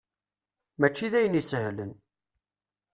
Mačči d ayen isehlen.